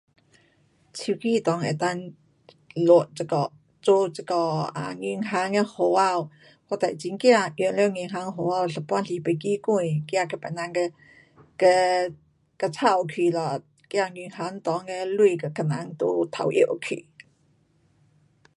手机内能够录这个，做这个啊银行的户口，我哒很怕用了银行的户口，有时候忘记关，怕被别人给，给抄去咯，怕银行内的钱给人都偷拿去。